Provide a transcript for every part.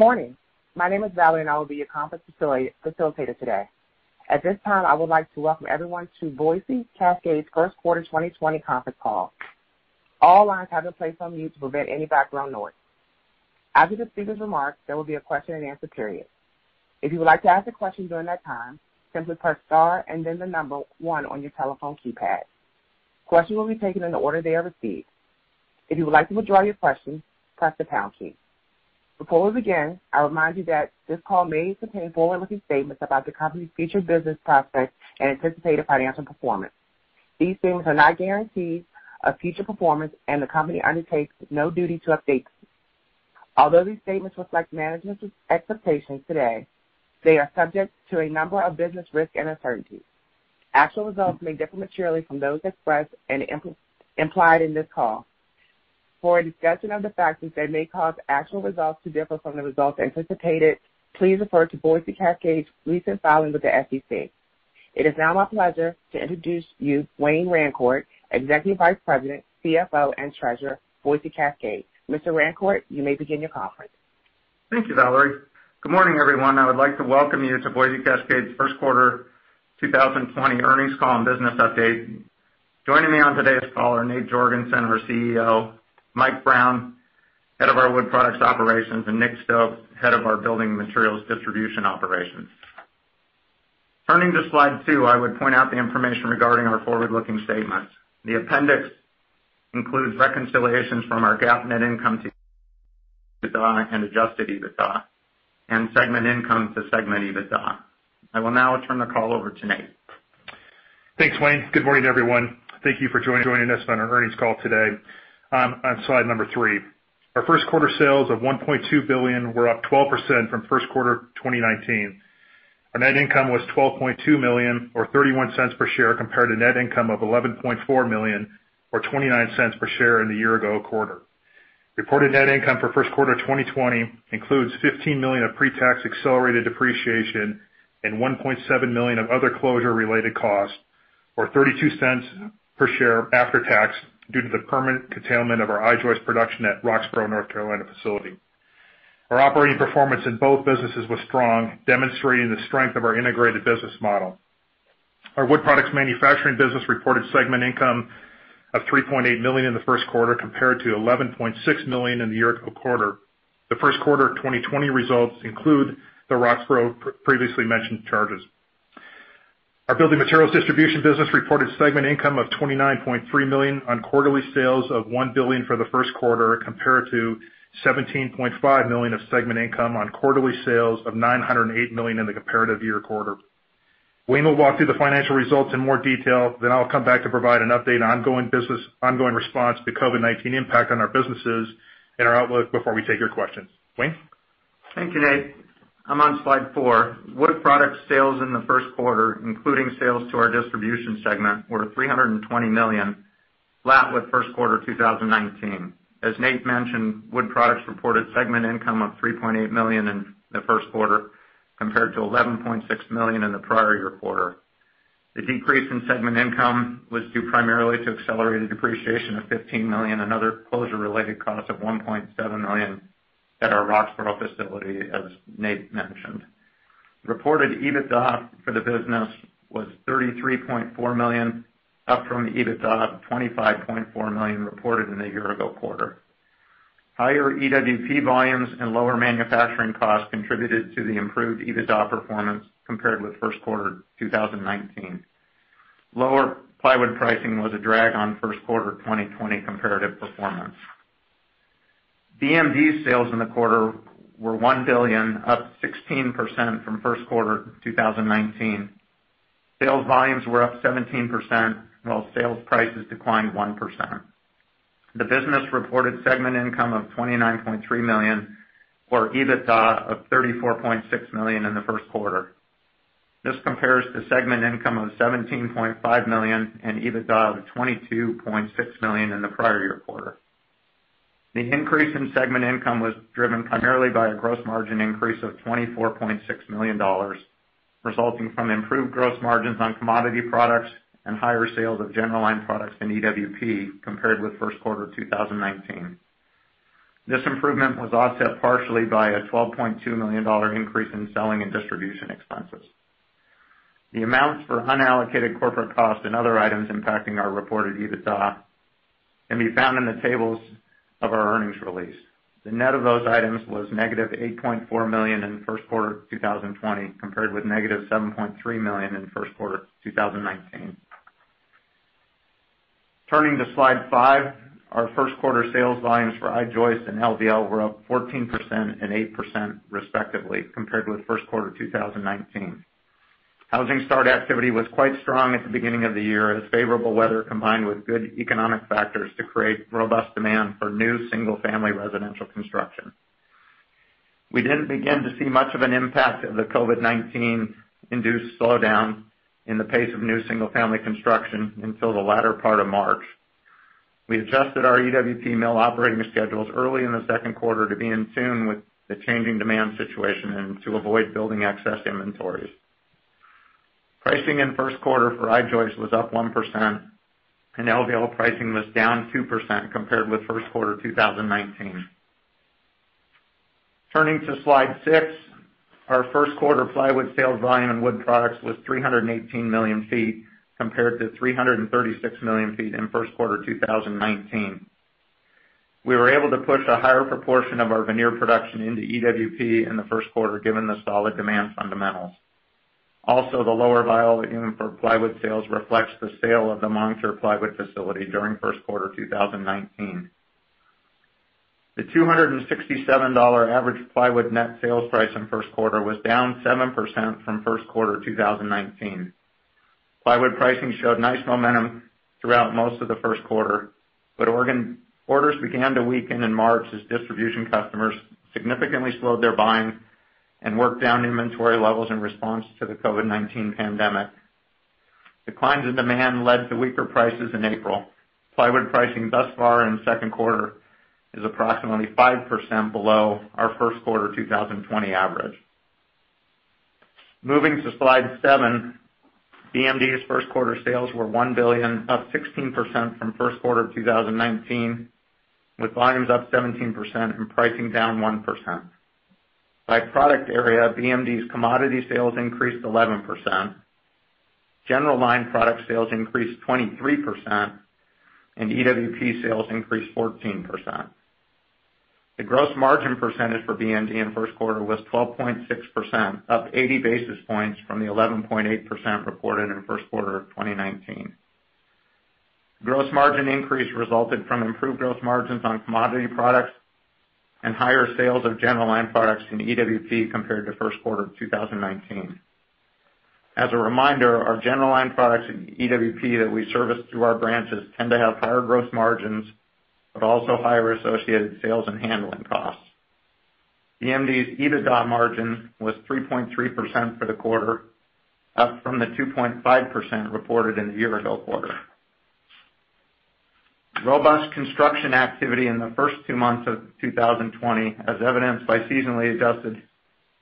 Morning. My name is Valerie, and I will be your conference facilitator today. At this time, I would like to welcome everyone to Boise Cascade's first quarter 2020 conference call. All lines have been placed on mute to prevent any background noise. After the speakers' remarks, there will be a question and answer period. If you would like to ask a question during that time, simply press star and then the number 1 on your telephone keypad. Questions will be taken in the order they are received. If you would like to withdraw your question, press the pound key. Before we begin, I remind you that this call may contain forward-looking statements about the company's future business prospects and anticipated financial performance. These things are not guarantees of future performance, and the company undertakes no duty to update. Although these statements reflect management's expectations today, they are subject to a number of business risks and uncertainties. Actual results may differ materially from those expressed and implied in this call. For a discussion of the factors that may cause actual results to differ from the results anticipated, please refer to Boise Cascade's recent filing with the SEC. It is now my pleasure to introduce you, Wayne Rancourt, Executive Vice President, Chief Financial Officer, and Treasurer, Boise Cascade. Mr. Rancourt, you may begin your conference. Thank you, Valerie. Good morning, everyone. I would like to welcome you to Boise Cascade's first quarter 2020 earnings call and business update. Joining me on today's call are Nate Jorgensen, our Chief Executive Officer, Mike Brown, Head of our Wood Products operations, and Nick Stokes, Head of our Building Materials Distribution operations. Turning to slide two, I would point out the information regarding our forward-looking statements. The appendix includes reconciliations from our GAAP net income to EBITDA and adjusted EBITDA and segment income to segment EBITDA. I will now turn the call over to Nate. Thanks, Wayne. Good morning, everyone. Thank you for joining us on our earnings call today. I'm on slide number three. Our first quarter sales of $1.2 billion were up 12% from first quarter 2019. Our net income was $12.2 million, or $0.31 per share, compared to net income of $11.4 million or $0.29 per share in the year-ago quarter. Reported net income for first quarter 2020 includes $15 million of pre-tax accelerated depreciation and $1.7 million of other closure-related costs, or $0.32 per share after tax due to the permanent curtailment of our I-joist production at Roxboro, North Carolina, facility. Our operating performance in both businesses was strong, demonstrating the strength of our integrated business model. Our Wood Products manufacturing business reported segment income of $3.8 million in the first quarter, compared to $11.6 million in the year-ago quarter. The first quarter 2020 results include the Roxboro previously mentioned charges. Our Building Materials Distribution business reported segment income of $29.3 million on quarterly sales of $1 billion for the first quarter, compared to $17.5 million of segment income on quarterly sales of $908 million in the comparative year quarter. Wayne will walk through the financial results in more detail. I'll come back to provide an update on ongoing response to COVID-19 impact on our businesses and our outlook before we take your questions. Wayne? Thank you, Nate. I'm on slide four. Wood Products sales in the first quarter, including sales to our distribution segment, were $320 million, flat with first quarter 2019. As Nate mentioned, Wood Products reported segment income of $3.8 million in the first quarter, compared to $11.6 million in the prior-year quarter. The decrease in segment income was due primarily to accelerated depreciation of $15 million and other closure-related costs of $1.7 million at our Roxboro facility, as Nate mentioned. Reported EBITDA for the business was $33.4 million, up from the EBITDA of $25.4 million reported in the year-ago quarter. Higher EWP volumes and lower manufacturing costs contributed to the improved EBITDA performance compared with first quarter 2019. Lower plywood pricing was a drag on first quarter 2020 comparative performance. BMD sales in the quarter were $1 billion, up 16% from first quarter 2019. Sales volumes were up 17%, while sales prices declined 1%. The business reported segment income of $29.3 million, or EBITDA of $34.6 million in the first quarter. This compares to segment income of $17.5 million and EBITDA of $22.6 million in the prior year quarter. The increase in segment income was driven primarily by a gross margin increase of $24.6 million, resulting from improved gross margins on commodity products and higher sales of general line products in EWP compared with first quarter 2019. This improvement was offset partially by a $12.2 million increase in selling and distribution expenses. The amounts for unallocated corporate costs and other items impacting our reported EBITDA can be found in the tables of our earnings release. The net of those items was -$8.4 million in first quarter 2020, compared with -$7.3 million in first quarter 2019. Turning to slide five, our first quarter sales volumes for I-joist and LVL were up 14% and 8%, respectively, compared with first quarter 2019. Housing start activity was quite strong at the beginning of the year as favorable weather combined with good economic factors to create robust demand for new single-family residential construction. We didn't begin to see much of an impact of the COVID-19-induced slowdown in the pace of new single-family construction until the latter part of March. We adjusted our EWP mill operating schedules early in the second quarter to be in tune with the changing demand situation and to avoid building excess inventories. Pricing in first quarter for I-joist was up 1%, and LVL pricing was down 2% compared with first quarter 2019. Turning to slide six, our first quarter plywood sales volume in Wood Products was 318 million feet, compared to 336 million ft in first quarter 2019. We were able to push a higher proportion of our veneer production into EWP in the first quarter, given the solid demand fundamentals. The lower volume for plywood sales reflects the sale of the Moncure plywood facility during first quarter 2019. The $267 average plywood net sales price in first quarter was down 7% from first quarter 2019. Plywood pricing showed nice momentum throughout most of the first quarter, but orders began to weaken in March as distribution customers significantly slowed their buying and worked down inventory levels in response to the COVID-19 pandemic. Declines in demand led to weaker prices in April. Plywood pricing thus far in the second quarter is approximately 5% below our first quarter 2020 average. Moving to slide seven, BMD's first quarter sales were $1 billion, up 16% from first quarter 2019, with volumes up 17% and pricing down 1%. By product area, BMD's commodity sales increased 11%, general line product sales increased 23%, and EWP sales increased 14%. The gross margin percentage for BMD in the first quarter was 12.6%, up 80 basis points from the 11.8% reported in the first quarter of 2019. Gross margin increase resulted from improved gross margins on commodity products and higher sales of general line products in EWP compared to the first quarter of 2019. As a reminder, our general line products in EWP that we service through our branches tend to have higher gross margins, but also higher associated sales and handling costs. BMD's EBITDA margin was 3.3% for the quarter, up from the 2.5% reported in the year-ago quarter. Robust construction activity in the first two months of 2020, as evidenced by seasonally adjusted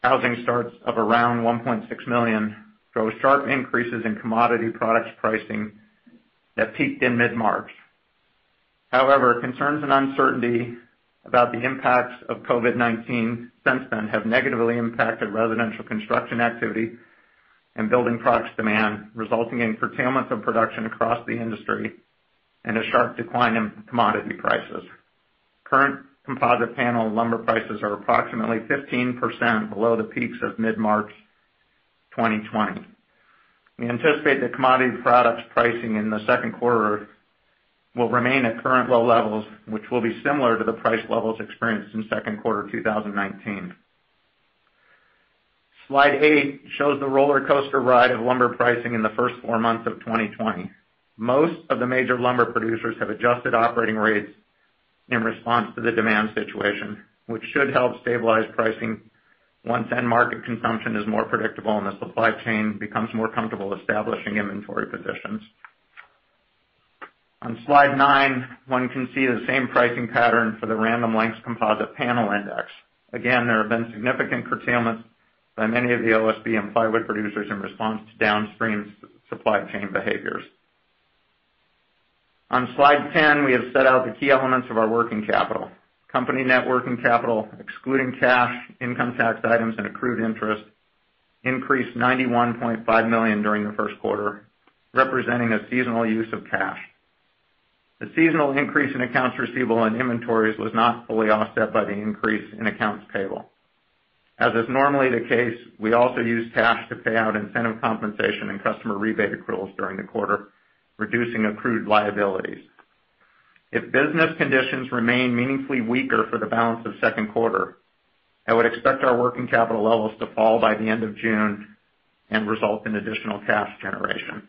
housing starts of around 1.6 million, drove sharp increases in commodity products pricing that peaked in mid-March. However, concerns and uncertainty about the impacts of COVID-19 since then have negatively impacted residential construction activity and building products demand, resulting in curtailment of production across the industry and a sharp decline in commodity prices. Current composite panel lumber prices are approximately 15% below the peaks of mid-March 2020. We anticipate that commodity products pricing in the second quarter will remain at current low levels, which will be similar to the price levels experienced in second quarter 2019. Slide eight shows the rollercoaster ride of lumber pricing in the first four months of 2020. Most of the major lumber producers have adjusted operating rates in response to the demand situation, which should help stabilize pricing once end market consumption is more predictable and the supply chain becomes more comfortable establishing inventory positions. On slide nine, one can see the same pricing pattern for the Random Lengths composite panel index. Again, there have been significant curtailments by many of the OSB and plywood producers in response to downstream supply chain behaviors. On slide 10, we have set out the key elements of our working capital. Company net working capital, excluding cash, income tax items, and accrued interest, increased $91.5 million during the first quarter, representing a seasonal use of cash. The seasonal increase in accounts receivable and inventories was not fully offset by the increase in accounts payable. As is normally the case, we also used cash to pay out incentive compensation and customer rebate accruals during the quarter, reducing accrued liabilities. If business conditions remain meaningfully weaker for the balance of the second quarter, I would expect our working capital levels to fall by the end of June and result in additional cash generation.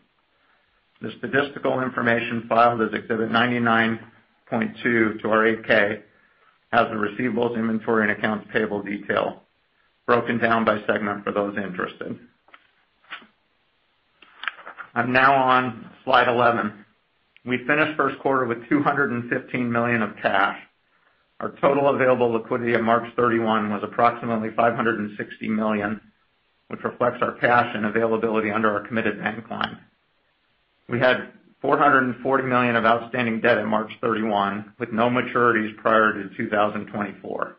The statistical information filed as Exhibit 99.2 to our 8-K has the receivables, inventory, and accounts payable detail broken down by segment for those interested. I'm now on slide 11. We finished the first quarter with $215 million of cash. Our total available liquidity at March 31 was approximately $560 million, which reflects our cash and availability under our committed bank line. We had $440 million of outstanding debt at March 31, with no maturities prior to 2024.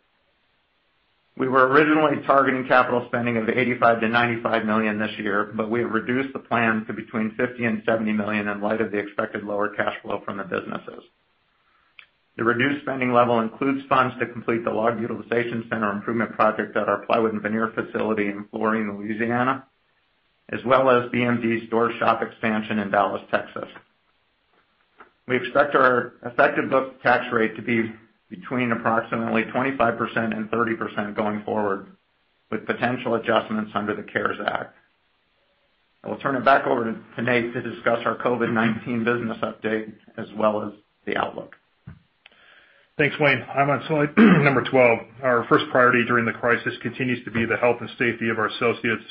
We were originally targeting capital spending of $85 million-$95 million this year, we have reduced the plan to between $50 million and $70 million in light of the expected lower cash flow from the businesses. The reduced spending level includes funds to complete the Log Utilization Center improvement project at our plywood and veneer facility in Florien, Louisiana, as well as BMD's door shop expansion in Dallas, Texas. We expect our effective book tax rate to be between approximately 25% and 30% going forward, with potential adjustments under the CARES Act. I will turn it back over to Nate to discuss our COVID-19 business update as well as the outlook. Thanks, Wayne. I'm on slide number 12. Our first priority during the crisis continues to be the health and safety of our associates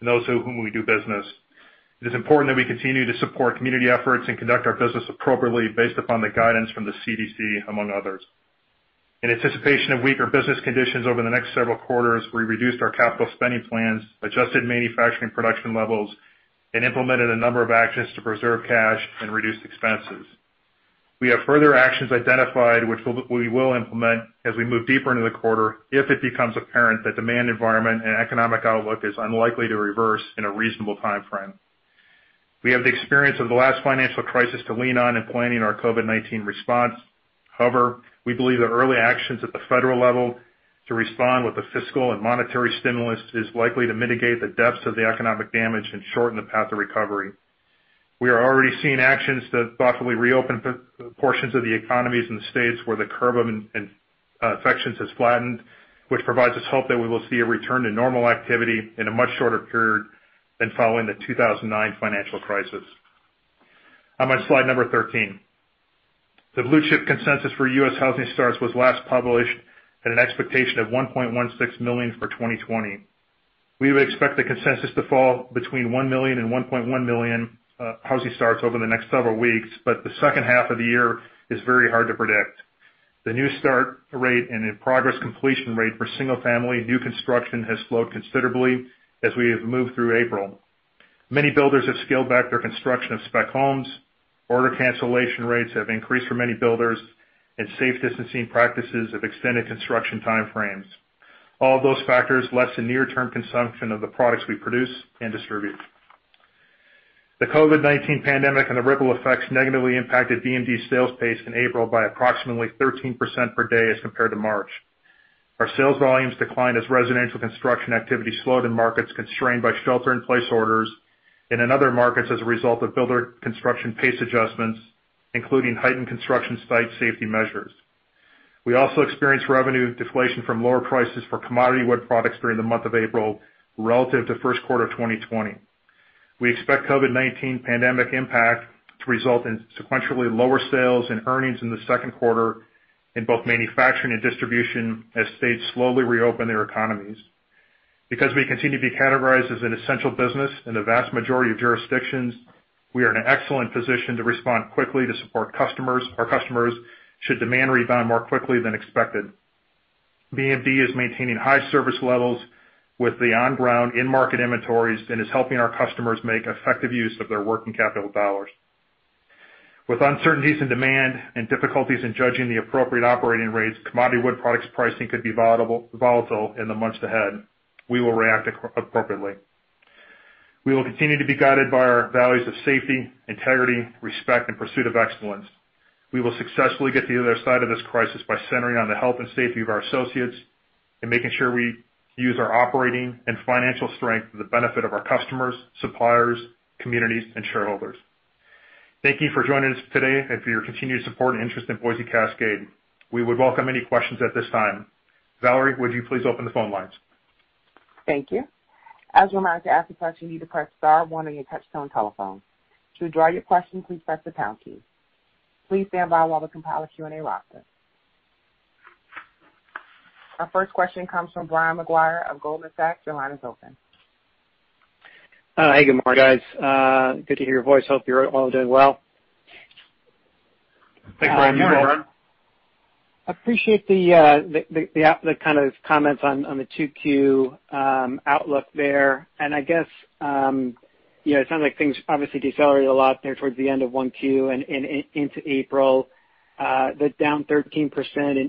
and those with whom we do business. It is important that we continue to support community efforts and conduct our business appropriately based upon the guidance from the CDC, among others. In anticipation of weaker business conditions over the next several quarters, we reduced our capital spending plans, adjusted manufacturing production levels, and implemented a number of actions to preserve cash and reduce expenses. We have further actions identified, which we will implement as we move deeper into the quarter if it becomes apparent that demand environment and economic outlook is unlikely to reverse in a reasonable timeframe. We have the experience of the last financial crisis to lean on in planning our COVID-19 response. However, we believe the early actions at the federal level to respond with a fiscal and monetary stimulus is likely to mitigate the depths of the economic damage and shorten the path to recovery. We are already seeing actions to thoughtfully reopen portions of the economies in the states where the curve of infections has flattened, which provides us hope that we will see a return to normal activity in a much shorter period than following the 2009 financial crisis. I'm on slide number 13. The Blue Chip consensus for U.S. housing starts was last published at an expectation of 1.16 million for 2020. We would expect the consensus to fall between 1 million and 1.1 million housing starts over the next several weeks, but the second half of the year is very hard to predict. The new start rate and in-progress completion rate for single-family new construction has slowed considerably as we have moved through April. Many builders have scaled back their construction of spec homes. Order cancellation rates have increased for many builders, and safe distancing practices have extended construction timeframes. All of those factors lessen near-term consumption of the products we produce and distribute. The COVID-19 pandemic and the ripple effects negatively impacted BMD's sales pace in April by approximately 13% per day as compared to March. Our sales volumes declined as residential construction activity slowed in markets constrained by shelter-in-place orders, and in other markets, as a result of builder construction pace adjustments, including heightened construction site safety measures. We also experienced revenue deflation from lower prices for commodity wood products during the month of April, relative to first quarter 2020. We expect COVID-19 pandemic impact to result in sequentially lower sales and earnings in the second quarter in both manufacturing and distribution as states slowly reopen their economies. Because we continue to be categorized as an essential business in the vast majority of jurisdictions, we are in an excellent position to respond quickly to support our customers, should demand rebound more quickly than expected. BMD is maintaining high service levels with the on-ground in-market inventories and is helping our customers make effective use of their working capital dollars. With uncertainties in demand and difficulties in judging the appropriate operating rates, commodity wood products pricing could be volatile in the months ahead. We will react appropriately. We will continue to be guided by our values of safety, integrity, respect, and pursuit of excellence. We will successfully get to the other side of this crisis by centering on the health and safety of our associates and making sure we use our operating and financial strength for the benefit of our customers, suppliers, communities, and shareholders. Thank you for joining us today and for your continued support and interest in Boise Cascade. We would welcome any questions at this time. Valerie, would you please open the phone lines? Thank you. As a reminder, to ask a question, you need to press star one on your touchtone telephone. To withdraw your question, please press the pound key. Please stand by while we compile a Q&A roster. Our first question comes from Brian Maguire of Goldman Sachs. Your line is open. Hey, good morning, guys. Good to hear your voice. Hope you're all doing well. Thanks, Brian. I appreciate the comments on the 2Q outlook there. It sounds like things obviously decelerated a lot there towards the end of 1Q and into April. The down 13%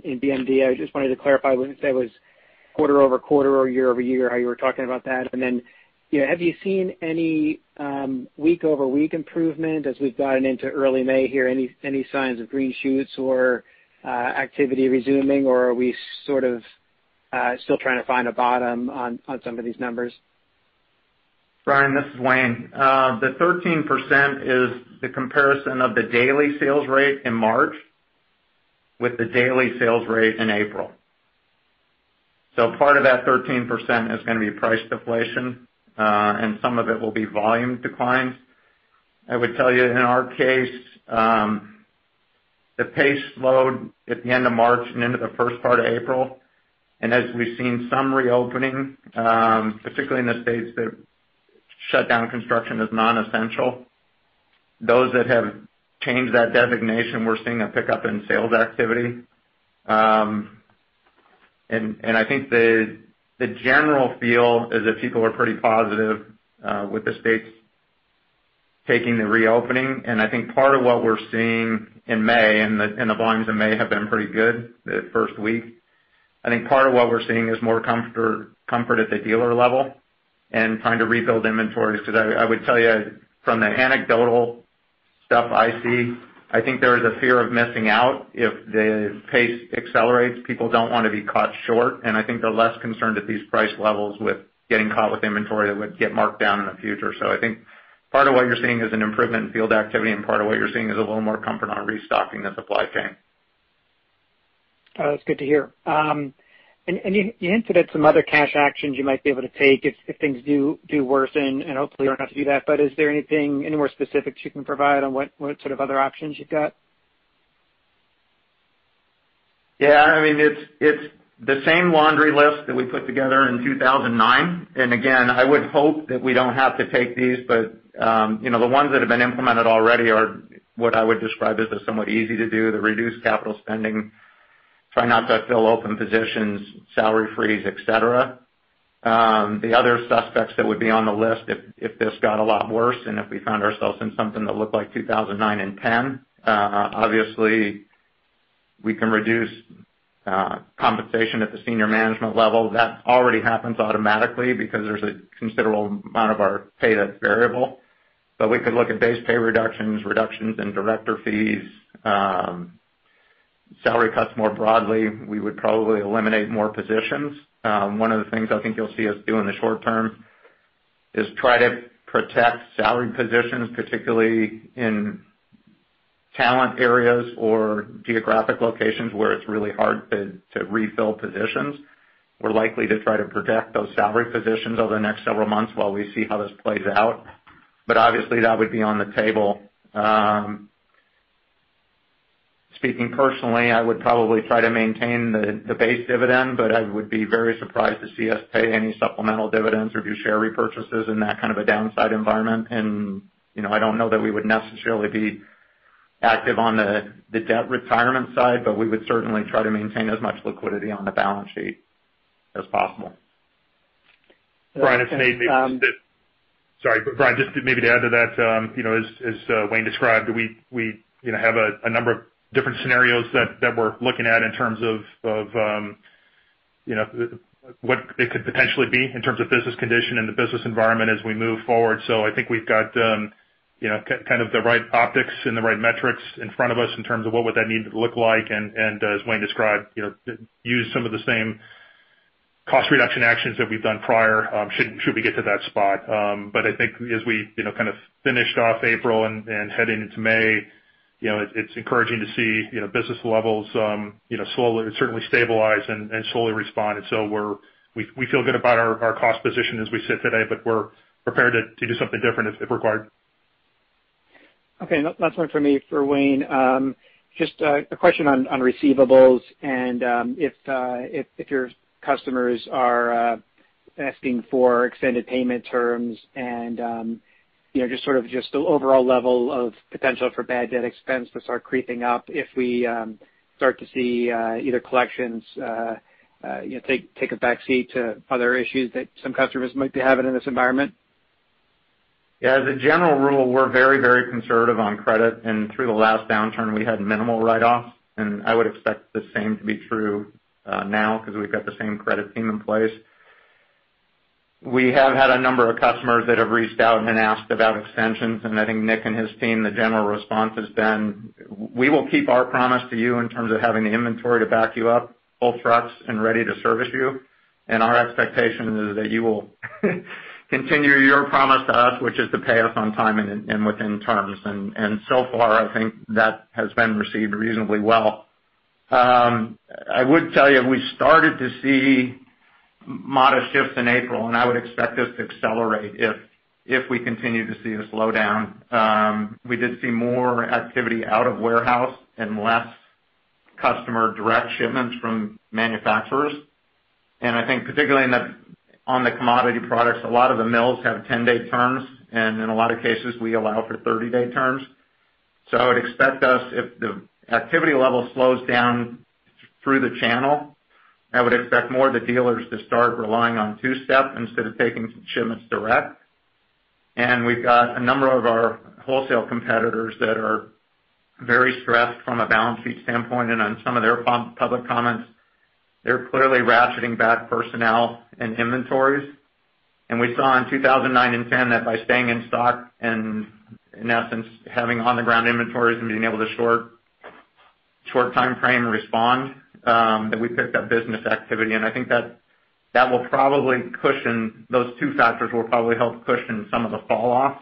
in BMD, I just wanted to clarify, I wouldn't say it was quarter-over-quarter or year-over-year, how you were talking about that. Have you seen any week-over-week improvement as we've gotten into early May here? Any signs of green shoots or activity resuming, or are we sort of still trying to find a bottom on some of these numbers? Brian, this is Wayne. The 13% is the comparison of the daily sales rate in March with the daily sales rate in April. Part of that 13% is going to be price deflation, and some of it will be volume declines. I would tell you, in our case, the pace slowed at the end of March and into the first part of April. As we've seen some reopening, particularly in the states that shut down construction as non-essential, those that have changed that designation, we're seeing a pickup in sales activity. I think the general feel is that people are pretty positive with the states taking the reopening. I think part of what we're seeing in May, and the volumes in May have been pretty good, the first week. I think part of what we're seeing is more comfort at the dealer level and trying to rebuild inventories, because I would tell you from the anecdotal stuff I see, I think there is a fear of missing out if the pace accelerates. People don't want to be caught short, and I think they're less concerned at these price levels with getting caught with inventory that would get marked down in the future. I think part of what you're seeing is an improvement in field activity, and part of what you're seeing is a little more comfort on restocking the supply chain. That's good to hear. You hinted at some other cash actions you might be able to take if things do worsen, and hopefully you don't have to do that. Is there any more specifics you can provide on what sort of other options you've got? Yeah. It's the same laundry list that we put together in 2009. Again, I would hope that we don't have to take these, but the ones that have been implemented already are what I would describe as somewhat easy to do, the reduced capital spending. Try not to fill open positions, salary freeze, et cetera. The other suspects that would be on the list if this got a lot worse and if we found ourselves in something that looked like 2009 and 2010, obviously we can reduce compensation at the senior management level. That already happens automatically because there's a considerable amount of our pay that's variable. We could look at base pay reductions in director fees, salary cuts more broadly. We would probably eliminate more positions. One of the things I think you'll see us do in the short term is try to protect salary positions, particularly in talent areas or geographic locations where it's really hard to refill positions. We're likely to try to protect those salary positions over the next several months while we see how this plays out. Obviously that would be on the table. Speaking personally, I would probably try to maintain the base dividend, but I would be very surprised to see us pay any supplemental dividends or do share repurchases in that kind of a downside environment. I don't know that we would necessarily be active on the debt retirement side, but we would certainly try to maintain as much liquidity on the balance sheet as possible. Brian, it's Nate. Sorry, Brian, just maybe to add to that, as Wayne described, we have a number of different scenarios that we're looking at in terms of what it could potentially be in terms of business condition and the business environment as we move forward. I think we've got kind of the right optics and the right metrics in front of us in terms of what would that need to look like. As Wayne described, use some of the same cost reduction actions that we've done prior, should we get to that spot. I think as we kind of finished off April and heading into May, it's encouraging to see business levels certainly stabilize and slowly respond. We feel good about our cost position as we sit today, but we're prepared to do something different if required. Okay, last one from me for Wayne. Just a question on receivables and if your customers are asking for extended payment terms and just sort of just the overall level of potential for bad debt expense to start creeping up if we start to see either collections take a backseat to other issues that some customers might be having in this environment. Yeah, as a general rule, we're very conservative on credit, and through the last downturn, we had minimal write-offs, and I would expect the same to be true now because we've got the same credit team in place. We have had a number of customers that have reached out and asked about extensions, and I think Nick and his team, the general response has been, "We will keep our promise to you in terms of having the inventory to back you up, full trucks, and ready to service you." Our expectation is that you will continue your promise to us, which is to pay us on time and within terms. So far, I think that has been received reasonably well. I would tell you, we started to see modest shifts in April, and I would expect this to accelerate if we continue to see the slowdown. We did see more activity out of warehouse and less customer direct shipments from manufacturers. I think particularly on the commodity products, a lot of the mills have 10-day terms, and in a lot of cases, we allow for 30-day terms. I would expect us, if the activity level slows down through the channel, I would expect more of the dealers to start relying on two-step instead of taking shipments direct. We've got a number of our wholesale competitors that are very stressed from a balance sheet standpoint, and on some of their public comments, they're clearly ratcheting back personnel and inventories. We saw in 2009 and 2010 that by staying in stock and in essence, having on the ground inventories and being able to short timeframe respond, that we picked up business activity. I think that those two factors will probably help cushion some of the fall off.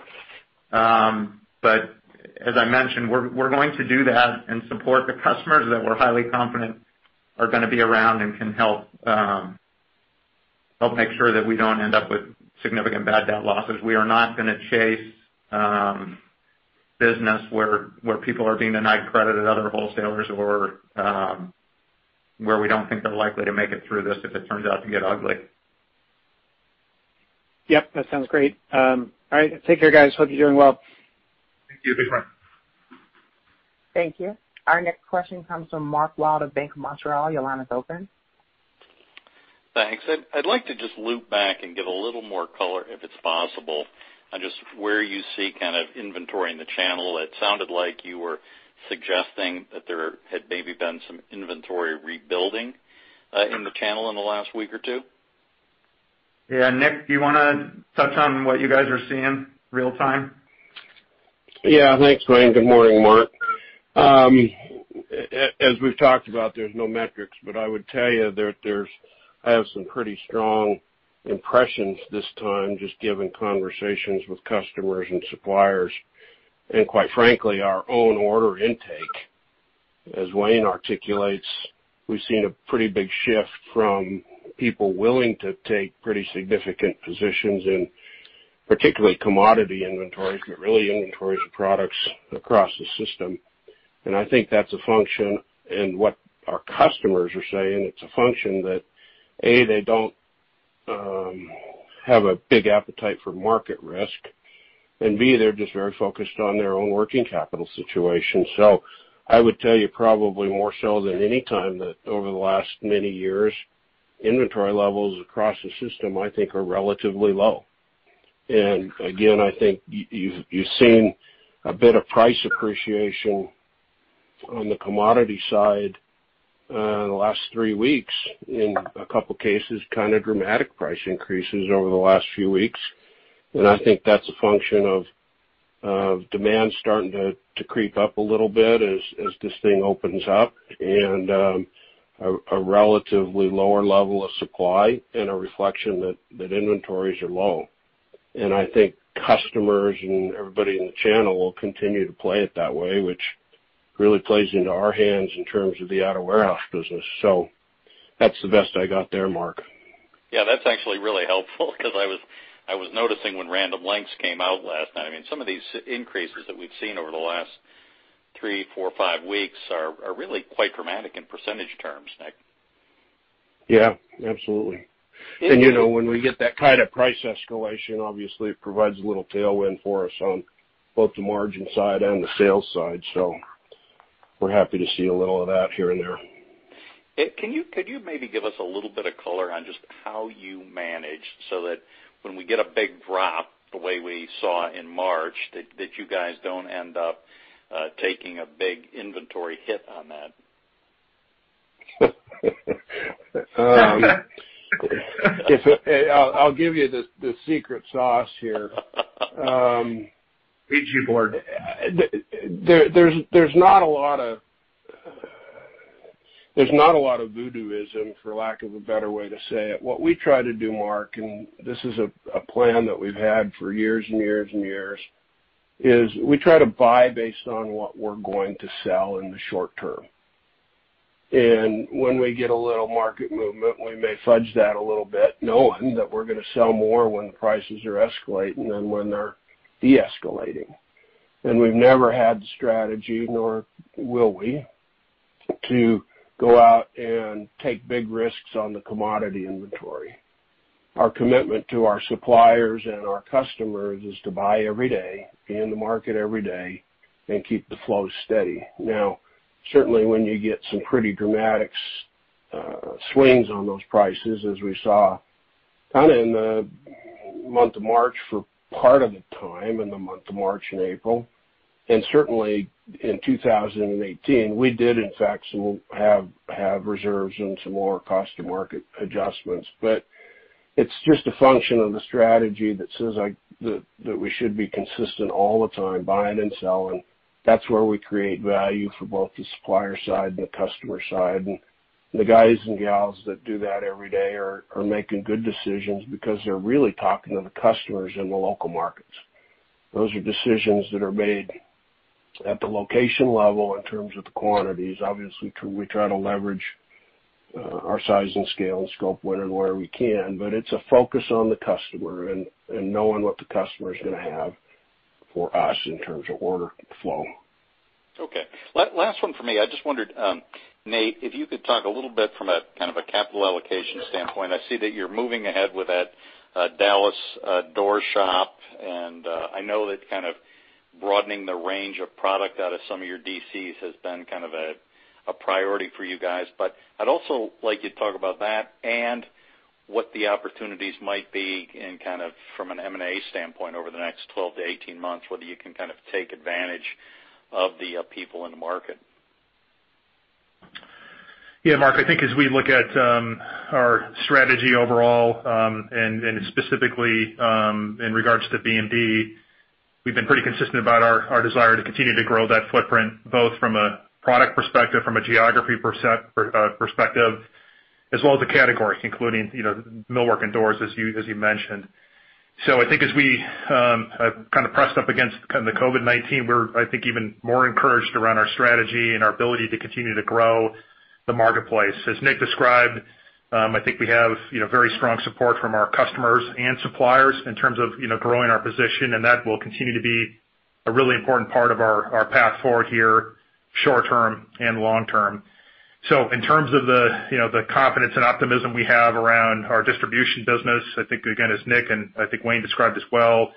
As I mentioned, we're going to do that and support the customers that we're highly confident are going to be around and can help make sure that we don't end up with significant bad debt losses. We are not going to chase business where people are being denied credit at other wholesalers or where we don't think they're likely to make it through this if it turns out to get ugly. Yep, that sounds great. All right. Take care, guys. Hope you're doing well. Thank you. Thanks, Brian. Thank you. Our next question comes from Mark Wilde of BMO Capital Markets. Your line is open. Thanks. I'd like to just loop back and give a little more color, if it's possible, on just where you see kind of inventory in the channel. It sounded like you were suggesting that there had maybe been some inventory rebuilding in the channel in the last week or two. Yeah. Nick, do you want to touch on what you guys are seeing real-time? Thanks, Wayne. Good morning, Mark. As we've talked about, there's no metrics, but I would tell you I have some pretty strong impressions this time, just given conversations with customers and suppliers and quite frankly, our own order intake. As Wayne articulates, we've seen a pretty big shift from people willing to take pretty significant positions in particularly commodity inventories, but really inventories of products across the system. I think that's a function in what our customers are saying. It's a function that A, they don't have a big appetite for market risk. B, they're just very focused on their own working capital situation. I would tell you probably more so than any time that over the last many years, inventory levels across the system, I think, are relatively low. Again, I think you've seen a bit of price appreciation on the commodity side in the last three weeks, in a couple of cases, kind of dramatic price increases over the last few weeks. I think that's a function of demand starting to creep up a little bit as this thing opens up and a relatively lower level of supply and a reflection that inventories are low. I think customers and everybody in the channel will continue to play it that way, which really plays into our hands in terms of the out-of-warehouse business. That's the best I got there, Mark. Yeah, that's actually really helpful because I was noticing when Random Lengths came out last night, I mean, some of these increases that we've seen over the last three, four, five weeks are really quite dramatic in percentage terms, Nick. Yeah, absolutely. When we get that kind of price escalation, obviously, it provides a little tailwind for us on both the margin side and the sales side. We're happy to see a little of that here and there. Could you maybe give us a little bit of color on just how you manage so that when we get a big drop the way we saw in March, that you guys don't end up taking a big inventory hit on that? I'll give you the secret sauce here. There's not a lot of voodooism, for lack of a better way to say it. What we try to do, Mark, this is a plan that we've had for years and years and years, is we try to buy based on what we're going to sell in the short term. When we get a little market movement, we may fudge that a little bit, knowing that we're going to sell more when the prices are escalating than when they're deescalating. We've never had the strategy, nor will we, to go out and take big risks on the commodity inventory. Our commitment to our suppliers and our customers is to buy every day, be in the market every day, and keep the flow steady. Certainly, when you get some pretty dramatic swings on those prices, as we saw kind of in the month of March for part of the time in the month of March and April, and certainly in 2018, we did, in fact, have reserves and some more cost to market adjustments. It's just a function of the strategy that says that we should be consistent all the time, buying and selling. That's where we create value for both the supplier side and the customer side. The guys and gals that do that every day are making good decisions because they're really talking to the customers in the local markets. Those are decisions that are made at the location level in terms of the quantities. Obviously, we try to leverage our size and scale and scope when and where we can, but it's a focus on the customer and knowing what the customer's going to have for us in terms of order flow. Okay. Last one for me. I just wondered, Nate, if you could talk a little bit from a kind of a capital allocation standpoint. I see that you're moving ahead with that Dallas door shop, and I know that kind of broadening the range of product out of some of your DCs has been kind of a priority for you guys. I'd also like you to talk about that and what the opportunities might be in kind of from an M&A standpoint over the next 12-18 months, whether you can kind of take advantage of the people in the market. Yeah, Mark, I think as we look at our strategy overall, and specifically, in regards to BMD, we've been pretty consistent about our desire to continue to grow that footprint, both from a product perspective, from a geography perspective, as well as the categories, including millwork and doors, as you mentioned. I think as we kind of pressed up against kind of COVID-19, we're, I think, even more encouraged around our strategy and our ability to continue to grow the marketplace. As Nick described, I think we have very strong support from our customers and suppliers in terms of growing our position, and that will continue to be a really important part of our path forward here, short-term and long-term. In terms of the confidence and optimism we have around our distribution business, I think, again, as Nick and I think Wayne described as well,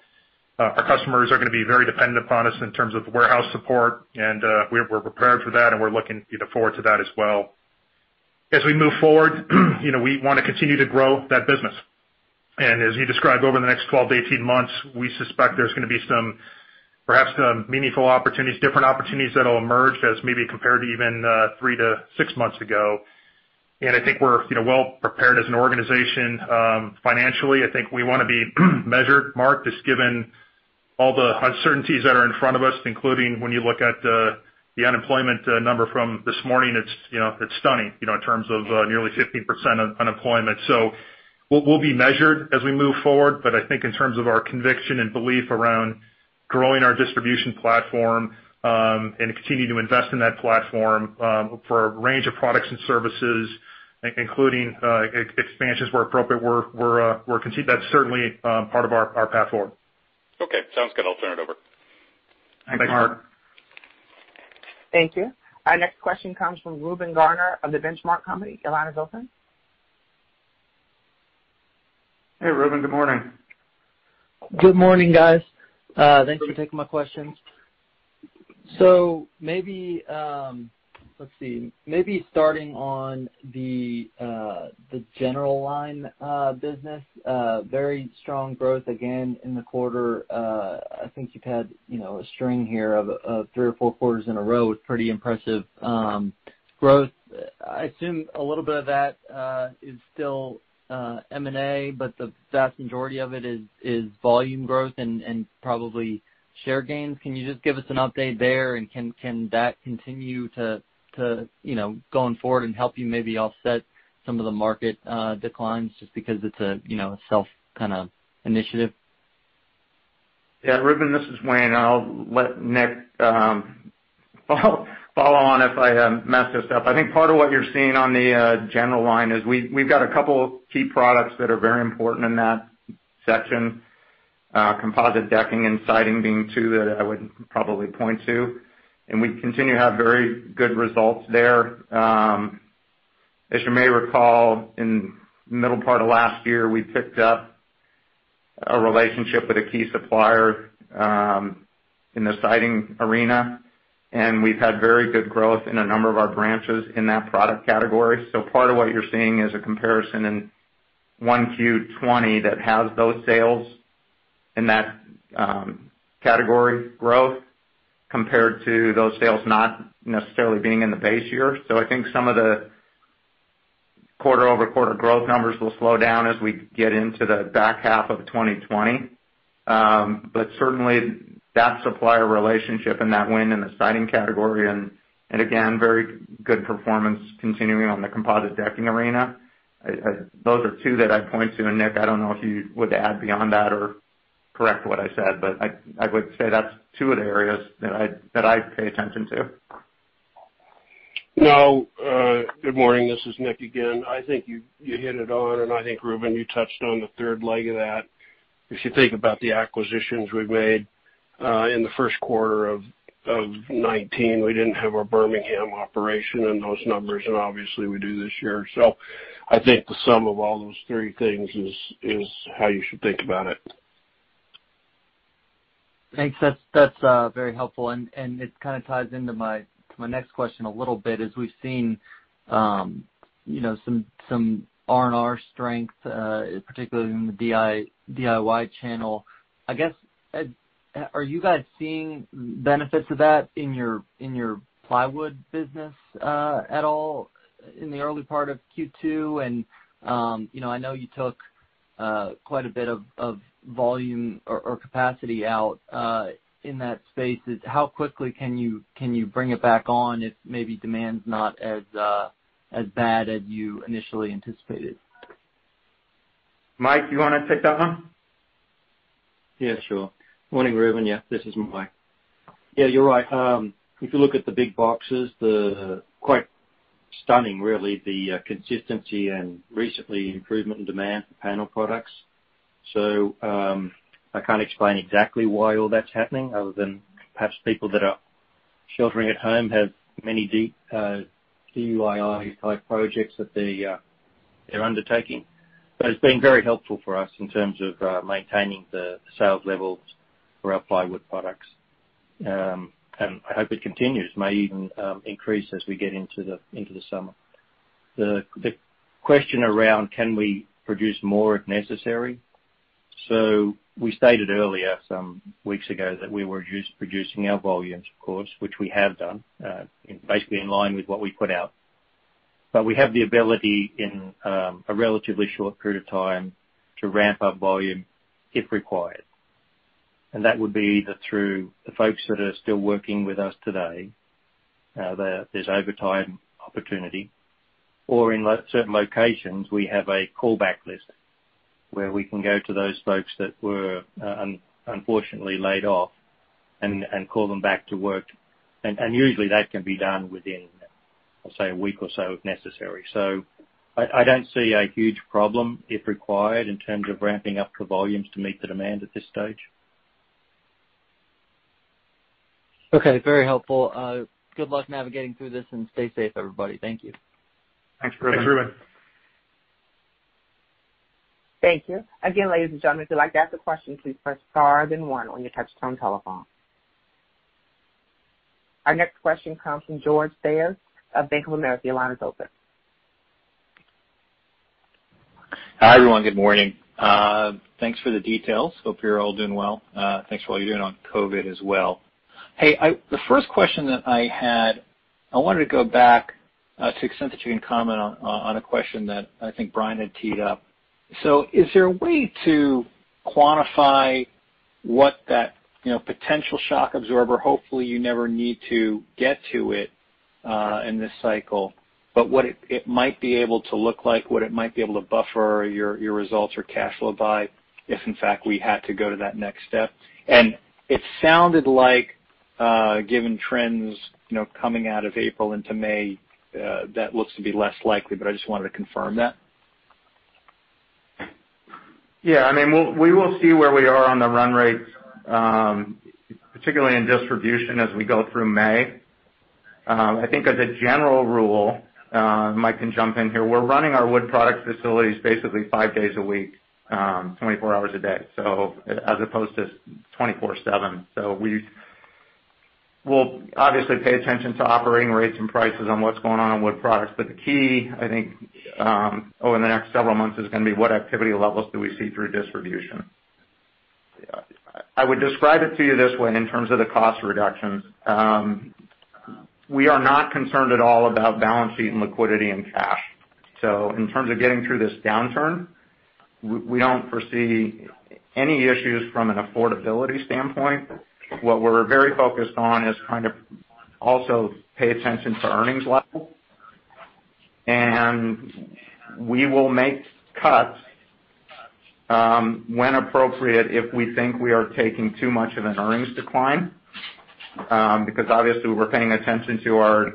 our customers are going to be very dependent upon us in terms of warehouse support, and we're prepared for that, and we're looking forward to that as well. As we move forward, we want to continue to grow that business. As you described over the next 12-18 months, we suspect there's going to be perhaps some meaningful opportunities, different opportunities that'll emerge as maybe compared to even three to six months ago. I think we're well-prepared as an organization financially. I think we want to be measured, Mark, just given all the uncertainties that are in front of us, including when you look at the unemployment number from this morning, it's stunning in terms of nearly 15% unemployment. We'll be measured as we move forward, but I think in terms of our conviction and belief around growing our distribution platform, and continuing to invest in that platform for a range of products and services, including expansions where appropriate, that's certainly part of our path forward. Okay, sounds good. I'll turn it over. Thanks, Mark. Thank you. Our next question comes from Reuben Garner of The Benchmark Company. Your line is open. Hey, Reuben. Good morning. Good morning, guys. Thanks for taking my questions. Maybe, let's see. Maybe starting on the general line business. Very strong growth again in the quarter. I think you've had a string here of three or four quarters in a row with pretty impressive growth. I assume a little bit of that is still M&A, but the vast majority of it is volume growth and probably share gains. Can you just give us an update there? Can that continue going forward and help you maybe offset some of the market declines, just because it's a self kind of initiative? Yeah, Reuben, this is Wayne. I'll let Nick follow on if I mess this up. I think part of what you're seeing on the general line is we've got a couple key products that are very important in that section. composite decking and siding being two that I would probably point to, and we continue to have very good results there. As you may recall, in the middle part of last year, we picked up a relationship with a key supplier in the siding arena, and we've had very good growth in a number of our branches in that product category. Part of what you're seeing is a comparison in 1Q 2020 that has those sales in that category growth compared to those sales not necessarily being in the base year. I think some of the quarter-over-quarter growth numbers will slow down as we get into the back half of 2020. Certainly, that supplier relationship and that win in the siding category, and again, very good performance continuing on the composite decking arena. Those are two that I'd point to. Nick, I don't know if you would add beyond that or correct what I said, but I would say that's two of the areas that I pay attention to. No. Good morning. This is Nick again. I think you hit it on, and I think, Reuben, you touched on the third leg of that. If you think about the acquisitions we've made, in the first quarter of 2019, we didn't have our Birmingham operation and those numbers, and obviously we do this year. I think the sum of all those three things is how you should think about it. Thanks. That's very helpful, and it kind of ties into my next question a little bit. As we've seen some R&R strength, particularly in the DIY channel. I guess, are you guys seeing benefits of that in your plywood business at all in the early part of Q2? I know you took quite a bit of volume or capacity out in that space. How quickly can you bring it back on if maybe demand's not as bad as you initially anticipated? Mike, you want to take that one? Sure. Morning, Reuben. This is Mike. You're right. If you look at the big boxes, they're quite stunning, really, the consistency and recently improvement in demand for panel products. I can't explain exactly why all that's happening other than perhaps people that are sheltering at home have many DIY type projects that they're undertaking. It's been very helpful for us in terms of maintaining the sales levels for our plywood products. I hope it continues. May even increase as we get into the summer. The question around can we produce more if necessary? We stated earlier, some weeks ago, that we were reducing our volumes, of course, which we have done, basically in line with what we put out. We have the ability in a relatively short period of time to ramp up volume if required. That would be either through the folks that are still working with us today. There's overtime opportunity. In certain locations, we have a callback list where we can go to those folks that were unfortunately laid off and call them back to work. Usually that can be done within, I'll say, a week or so if necessary. I don't see a huge problem if required in terms of ramping up the volumes to meet the demand at this stage. Okay. Very helpful. Good luck navigating through this, and stay safe, everybody. Thank you. Thanks, Reuben. Thank you. Again, ladies and gentlemen, if you'd like to ask a question, please press star then one on your touch-tone telephone. Our next question comes from George Staphos of Bank of America. Your line is open. Hi, everyone. Good morning. Thanks for the details. Hope you're all doing well. Thanks for all you're doing on COVID as well. Hey, the first question that I had, I wanted to go back to the extent that you can comment on a question that I think Brian had teed up. Is there a way to quantify what that potential shock absorber, hopefully you never need to get to it in this cycle, but what it might be able to look like, what it might be able to buffer your results or cash flow by if in fact we had to go to that next step? It sounded like given trends coming out of April into May, that looks to be less likely, but I just wanted to confirm that. Yeah. We will see where we are on the run rates, particularly in distribution as we go through May. I think as a general rule, Mike can jump in here, we're running our Wood Products facilities basically five days a week, 24 hours a day as opposed to 24/7. We'll obviously pay attention to operating rates and prices on what's going on in Wood Products. The key, I think, over the next several months is going to be what activity levels do we see through distribution. I would describe it to you this way in terms of the cost reductions. We are not concerned at all about balance sheet and liquidity and cash. In terms of getting through this downturn, we don't foresee any issues from an affordability standpoint. What we're very focused on is trying to also pay attention to earnings level. We will make cuts when appropriate if we think we are taking too much of an earnings decline, because obviously we're paying attention to our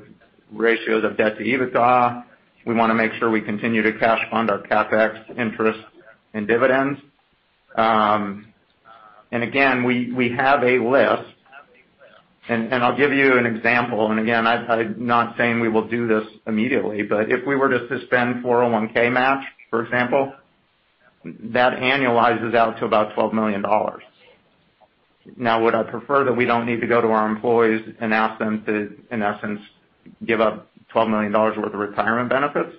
ratios of debt to EBITDA. We want to make sure we continue to cash fund our CapEx interest and dividends. Again, we have a list, and I'll give you an example. Again, I'm not saying we will do this immediately, but if we were to suspend 401 match, for example, that annualizes out to about $12 million. Now, would I prefer that we don't need to go to our employees and ask them to, in essence, give up $12 million worth of retirement benefits?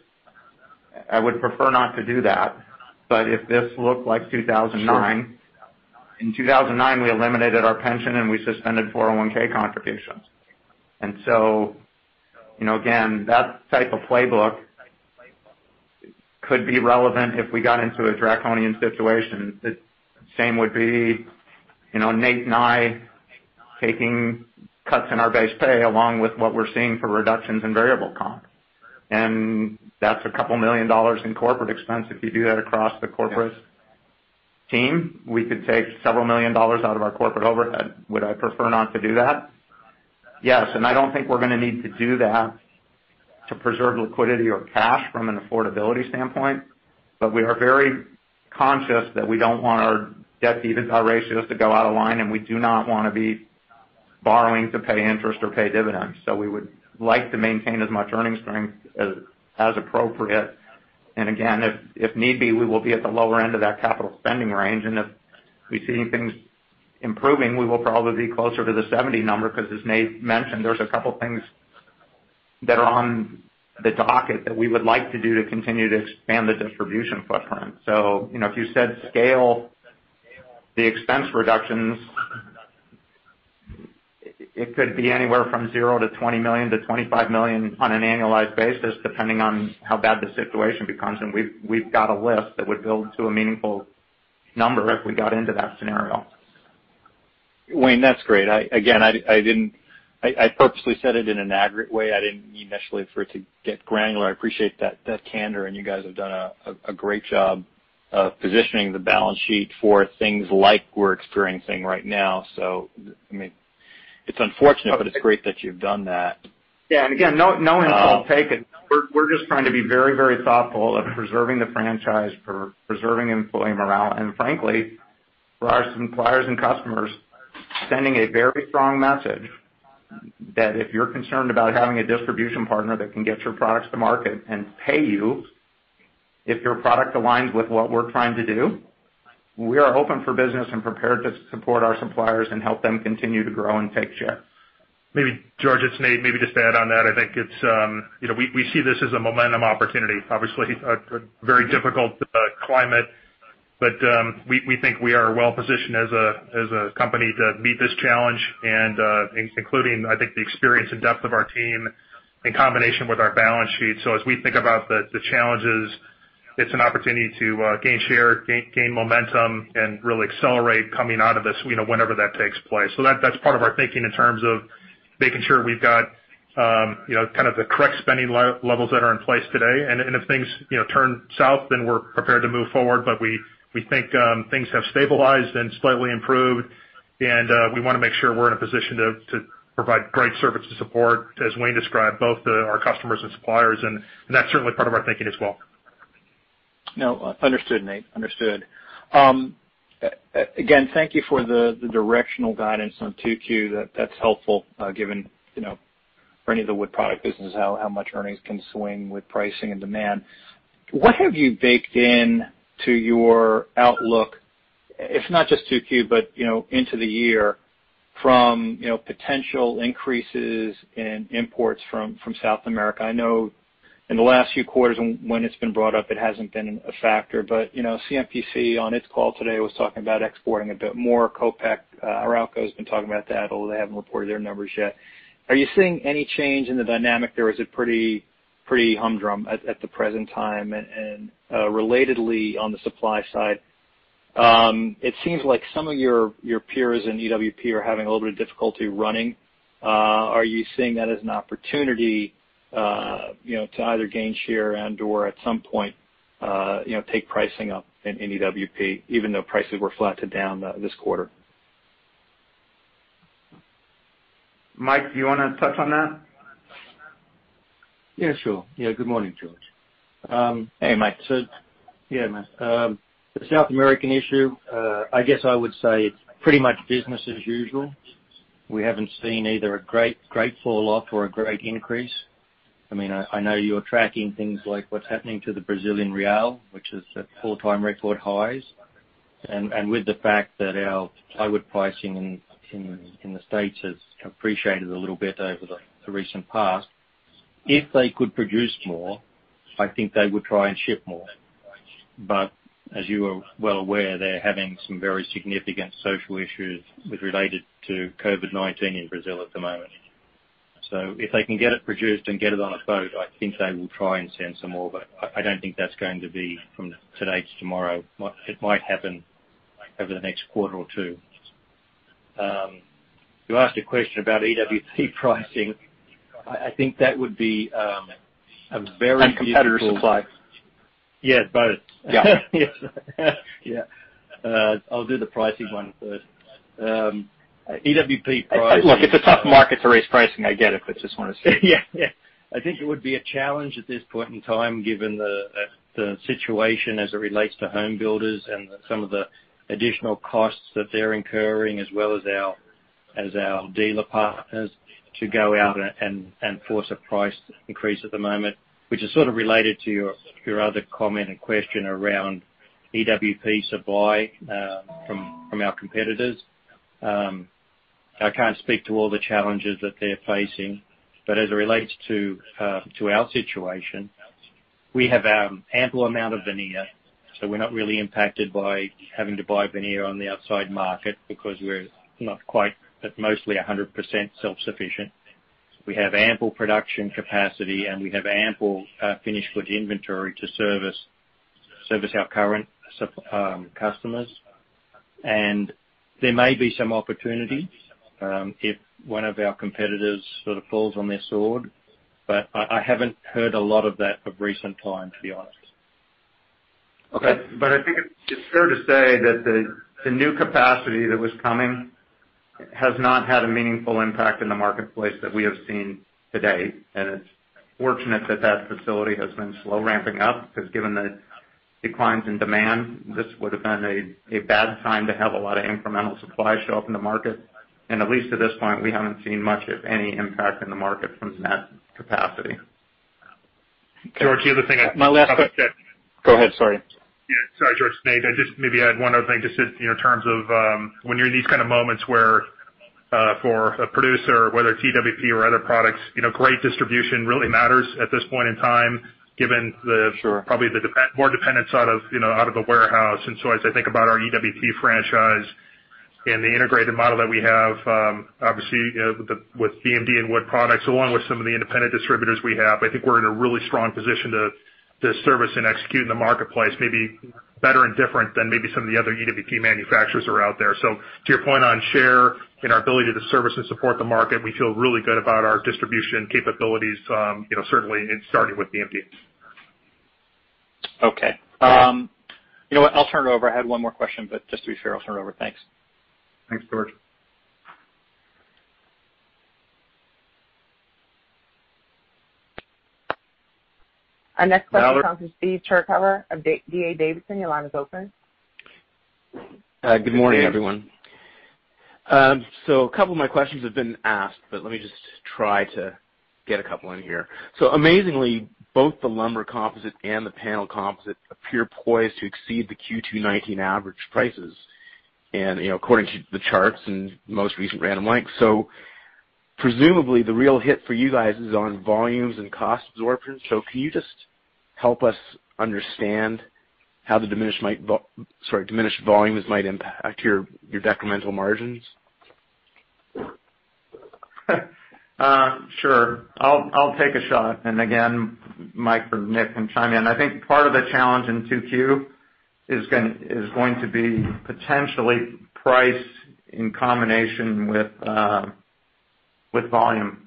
I would prefer not to do that. If this looked like 2009, in 2009, we eliminated our pension and we suspended 401 contributions. Again, that type of playbook could be relevant if we got into a draconian situation. The same would be Nate and I taking cuts in our base pay, along with what we're seeing for reductions in variable comp. That's a couple million dollars in corporate expense. If you do that across the corporate team, we could take several million dollars out of our corporate overhead. Would I prefer not to do that? Yes. I don't think we're going to need to do that to preserve liquidity or cash from an affordability standpoint. We are very conscious that we don't want our debt to EBITDA ratios to go out of line, and we do not want to be borrowing to pay interest or pay dividends. We would like to maintain as much earning strength as appropriate. Again, if need be, we will be at the lower end of that capital spending range. If we see things improving, we will probably be closer to the $70 number, because as Nate mentioned, there's a couple things that are on the docket that we would like to do to continue to expand the distribution footprint. If you said scale the expense reductions, it could be anywhere from 0 to $20 million-$25 million on an annualized basis, depending on how bad the situation becomes. We've got a list that would build to a meaningful number if we got into that scenario. Wayne, that's great. I purposely said it in an aggregate way. I didn't mean initially for it to get granular. I appreciate that candor, and you guys have done a great job of positioning the balance sheet for things like we're experiencing right now. It's unfortunate, but it's great that you've done that. Again, no insult taken. We're just trying to be very thoughtful of preserving the franchise, preserving employee morale, and frankly, for our suppliers and customers, sending a very strong message that if you're concerned about having a distribution partner that can get your products to market and pay you, if your product aligns with what we're trying to do, we are open for business and prepared to support our suppliers and help them continue to grow and take share. George, it's Nate. Maybe just to add on that, I think we see this as a momentum opportunity. Obviously, a very difficult climate, we think we are well-positioned as a company to meet this challenge and including, I think, the experience and depth of our team in combination with our balance sheet. As we think about the challenges, it's an opportunity to gain share, gain momentum, and really accelerate coming out of this whenever that takes place. That's part of our thinking in terms of making sure we've got kind of the correct spending levels that are in place today. If things turn south, then we're prepared to move forward. We think things have stabilized and slightly improved, and we want to make sure we're in a position to provide great service and support, as Wayne described, both to our customers and suppliers, and that's certainly part of our thinking as well. No. Understood, Nate. Understood. Again, thank you for the directional guidance on 2Q. That's helpful given for any of the Wood Products businesses, how much earnings can swing with pricing and demand. What have you baked into your outlook, if not just 2Q, but into the year from potential increases in imports from South America? I know in the last few quarters when it's been brought up, it hasn't been a factor. Canfor on its call today was talking about exporting a bit more. Copec, Arauco's been talking about that, although they haven't reported their numbers yet. Are you seeing any change in the dynamic there, or is it pretty humdrum at the present time? Relatedly, on the supply side, it seems like some of your peers in EWP are having a little bit of difficulty running. Are you seeing that as an opportunity to either gain share and/or at some point take pricing up in EWP, even though prices were flat to down this quarter? Mike, do you want to touch on that? Yeah, sure. Yeah. Good morning, George. Hey, Mike. Yeah, man. The South American issue, I guess I would say it's pretty much business as usual. We haven't seen either a great fall off or a great increase. I know you're tracking things like what's happening to the Brazilian real, which is at all-time record highs. With the fact that our plywood pricing in the States has appreciated a little bit over the recent past. If they could produce more, I think they would try and ship more. As you are well aware, they're having some very significant social issues with related to COVID-19 in Brazil at the moment. If they can get it produced and get it on a boat, I think they will try and send some more, but I don't think that's going to be from today to tomorrow. It might happen over the next quarter or two. You asked a question about EWP pricing. I think that would be a very- Competitor supply Yeah, both. Yeah. Yeah. I'll do the pricing one first. It's a tough market to raise pricing, I get it, but just want to see. I think it would be a challenge at this point in time, given the situation as it relates to home builders and some of the additional costs that they're incurring as well as our dealer partners to go out and force a price increase at the moment, which is sort of related to your other comment and question around EWP supply from our competitors. I can't speak to all the challenges that they're facing, but as it relates to our situation, we have ample amount of veneer, so we're not really impacted by having to buy veneer on the outside market because we're not quite at mostly 100% self-sufficient. We have ample production capacity, and we have ample finished goods inventory to service our current customers. There may be some opportunity if one of our competitors sort of falls on their sword, but I haven't heard a lot of that of recent time, to be honest. Okay. I think it's fair to say that the new capacity that was coming has not had a meaningful impact in the marketplace that we have seen to date. It's fortunate that that facility has been slow ramping up, because given the declines in demand, this would've been a bad time to have a lot of incremental supply show up in the market. At least at this point, we haven't seen much of any impact in the market from that capacity. George, the other thing. Go ahead, sorry. Yeah. Sorry, George. Nate. I'd just maybe add one other thing, just in terms of when you're in these kind of moments where for a producer, whether it's EWP or other products, great distribution really matters at this point in time, given the. Sure Probably the more dependence out of the warehouse. As I think about our EWP franchise and the integrated model that we have, obviously with BMD and Wood Products, along with some of the independent distributors we have, I think we're in a really strong position to service and execute in the marketplace, maybe better and different than maybe some of the other EWP manufacturers that are out there. To your point on share and our ability to service and support the market, we feel really good about our distribution capabilities, certainly it started with BMD. Okay. You know what? I'll turn it over. I had one more question, but just to be fair, I'll turn it over. Thanks. Thanks, George. Our next question comes from Steve Chercover of D.A. Davidson. Your line is open. Good morning, everyone. A couple of my questions have been asked, but let me just try to get a couple in here. Amazingly, both the lumber composite and the panel composite appear poised to exceed the Q2 2019 average prices and according to the charts and most recent Random Lengths. Presumably, the real hit for you guys is on volumes and cost absorption. Can you just help us understand how the diminished volumes might impact your decremental margins? Sure. Again, Mike or Nick can chime in. I think part of the challenge in 2Q is going to be potentially price in combination with volume.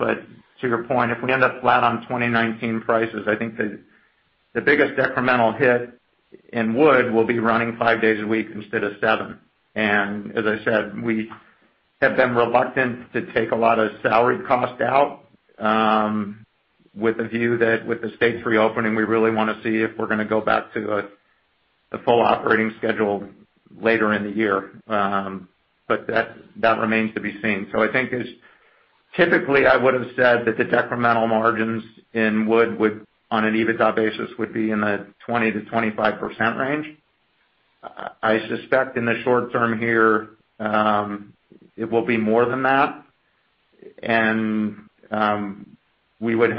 To your point, if we end up flat on 2019 prices, I think the biggest decremental hit in Wood Products will be running five days a week instead of seven. As I said, we have been reluctant to take a lot of salary cost out, with the view that with the states reopening, we really want to see if we're going to go back to a full operating schedule later in the year. That remains to be seen. I think typically, I would've said that the decremental margins in Wood Products on an EBITDA basis would be in the 20%-25% range. I suspect in the short term here, it will be more than that. We would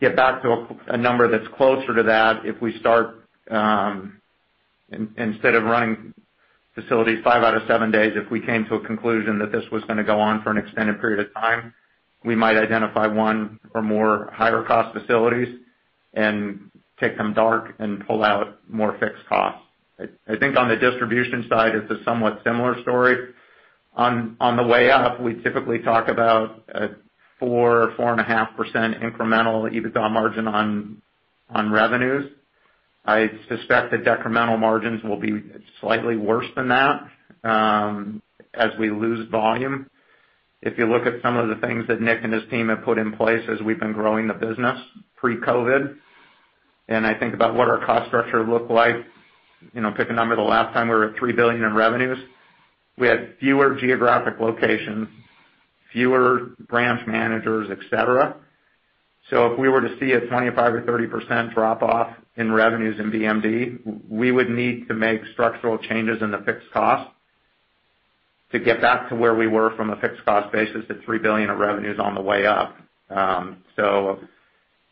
get back to a number that's closer to that if we start, instead of running facilities five out of seven days, if we came to a conclusion that this was gonna go on for an extended period of time, we might identify one or more higher cost facilities and take them dark and pull out more fixed costs. I think on the distribution side, it's a somewhat similar story. On the way up, we typically talk about a 4%, 4.5% incremental EBITDA margin on revenues. I suspect the decremental margins will be slightly worse than that as we lose volume. If you look at some of the things that Nick and his team have put in place as we've been growing the business pre-COVID, and I think about what our cost structure looked like, pick a number, the last time we were at $3 billion in revenues, we had fewer geographic locations, fewer branch managers, et cetera. If we were to see a 25%-30% drop-off in revenues in BMD, we would need to make structural changes in the fixed cost to get back to where we were from a fixed cost basis at $3 billion of revenues on the way up.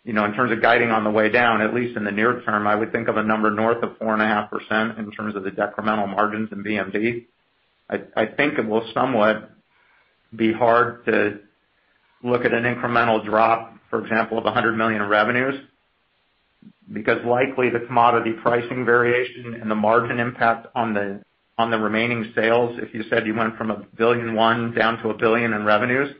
In terms of guiding on the way down, at least in the near term, I would think of a number north of 4.5% in terms of the decremental margins in BMD. I think it will somewhat be hard to look at an incremental drop, for example, of $100 million in revenues, because likely the commodity pricing variation and the margin impact on the remaining sales, if you said you went from $1.1 billion down to $1 billion in revenues,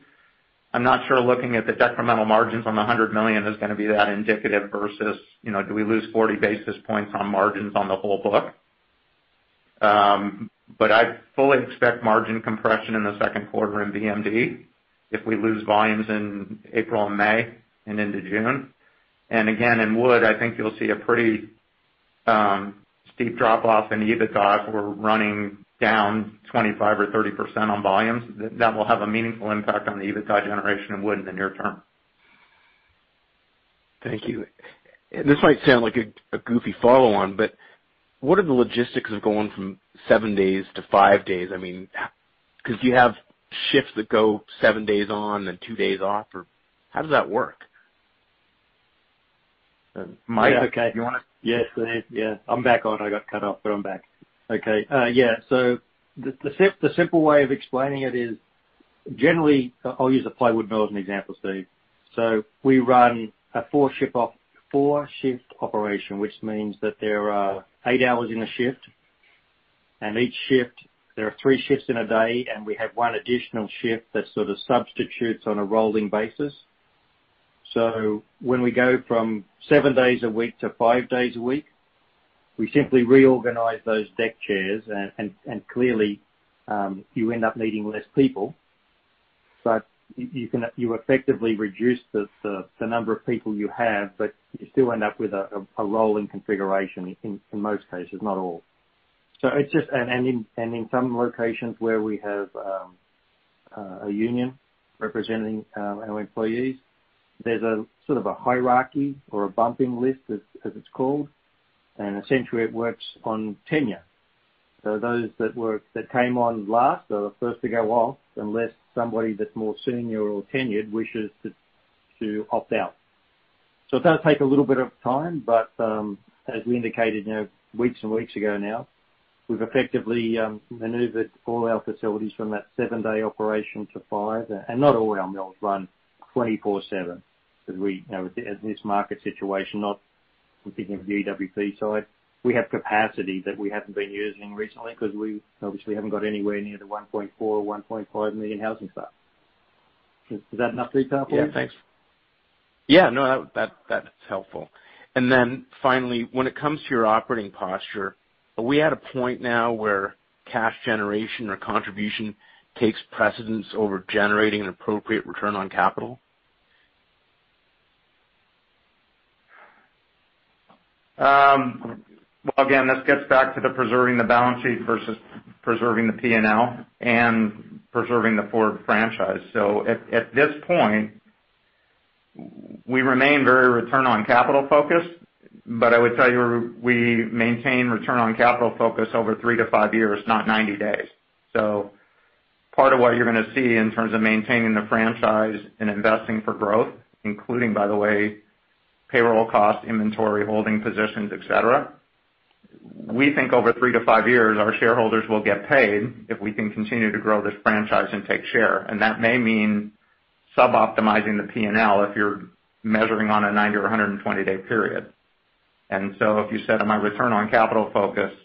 I'm not sure looking at the decremental margins on the $100 million is going to be that indicative versus do we lose 40 basis points on margins on the whole book? I fully expect margin compression in the second quarter in BMD if we lose volumes in April and May and into June. Again, in Wood Products, I think you'll see a pretty steep drop-off in EBITDA if we're running down 25% or 30% on volumes. That will have a meaningful impact on the EBITDA generation in Wood Products in the near term. Thank you. This might sound like a goofy follow-on, but what are the logistics of going from seven days to five days? I mean, do you have shifts that go seven days on and two days off, or how does that work? Mike, Yes, please. I'm back on. I got cut off, but I'm back. The simple way of explaining it is, generally, I'll use the plywood mill as an example, Steve. We run a four-shift operation, which means that there are eight hours in a shift. Each shift, there are three shifts in a day, and we have one additional shift that sort of substitutes on a rolling basis. When we go from seven days a week to five days a week, we simply reorganize those deck chairs and clearly, you end up needing less people, but you effectively reduce the number of people you have, but you still end up with a rolling configuration in most cases, not all. In some locations where we have a union representing our employees, there's a sort of a hierarchy or a bumping list, as it's called. Essentially it works on tenure. Those that came on last are the first to go off, unless somebody that's more senior or tenured wishes to opt out. It does take a little bit of time, but, as we indicated weeks and weeks ago now, we've effectively maneuvered all our facilities from that seven-day operation to five. Not all our mills run 24/7, because in this market situation, not thinking of the EWP side, we have capacity that we haven't been using recently because we obviously haven't got anywhere near the 1.4 or 1.5 million housing starts. Is that enough detail for you? Yeah, thanks. Yeah, no, that's helpful. Then finally, when it comes to your operating posture, are we at a point now where cash generation or contribution takes precedence over generating an appropriate return on capital? Well, again, this gets back to the preserving the balance sheet versus preserving the P&L and preserving the forward franchise. At this point, we remain very return on capital-focused, but I would tell you, we maintain return on capital focus over three to five years, not 90 days. Part of what you're going to see in terms of maintaining the franchise and investing for growth, including, by the way, payroll cost, inventory, holding positions, et cetera, we think over three to five years, our shareholders will get paid if we can continue to grow this franchise and take share. That may mean suboptimizing the P&L if you're measuring on a 90 or 120-day period. If you said, am I return on capital-focused?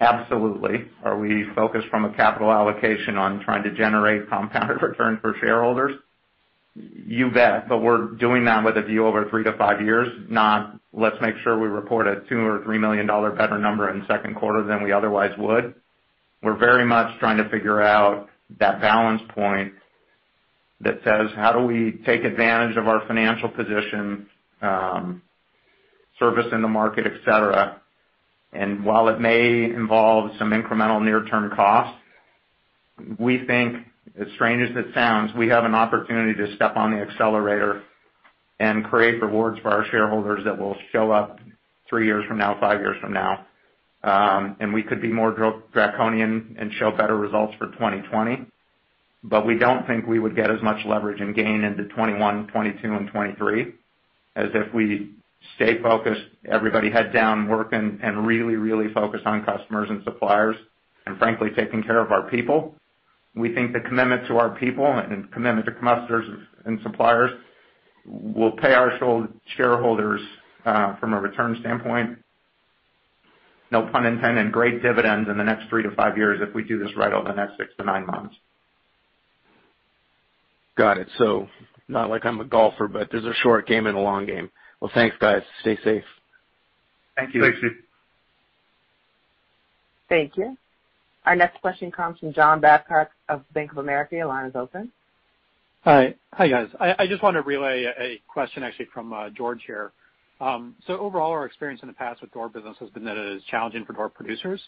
Absolutely. Are we focused from a capital allocation on trying to generate compounded returns for shareholders? You bet. We're doing that with a view over three to five years, not let's make sure we report a $2 million or $3 million better number in the second quarter than we otherwise would. We're very much trying to figure out that balance point that says, how do we take advantage of our financial position, service in the market, et cetera. While it may involve some incremental near-term costs, we think, as strange as it sounds, we have an opportunity to step on the accelerator and create rewards for our shareholders that will show up three years from now, five years from now. We could be more draconian and show better results for 2020. We don't think we would get as much leverage and gain into 2021, 2022, and 2023, as if we stay focused, everybody head down working and really focused on customers and suppliers and frankly, taking care of our people. We think the commitment to our people and commitment to customers and suppliers will pay our shareholders, from a return standpoint, no pun intended, great dividends in the next three to five years if we do this right over the next six to nine months. Got it. Not like I'm a golfer, but there's a short game and a long game. Well, thanks, guys. Stay safe. Thank you. Thank you. Thank you. Our next question comes from John Babcock of Bank of America. Your line is open. Hi, guys. I just want to relay a question actually from George here. Overall, our experience in the past with door business has been that it is challenging for door producers.